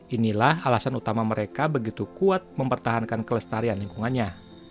inilah alasan utama mereka begitu kuat mempertahankan kelestarian lingkungannya